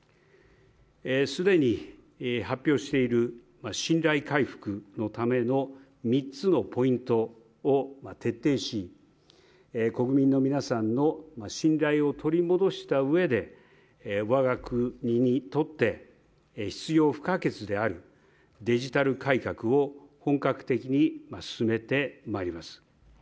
既に発表している信頼回復のための３つのポイントを徹底し国民の皆さんの信頼を取り戻したうえで我が国にとって必要不可欠であるデジタル改革を本格的に進めてまいります。